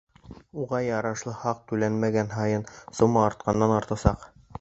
Уға ярашлы, хаҡ түләнмәгән һайын сумма артҡандан-артасаҡ.